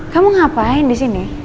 kamu ngapain disini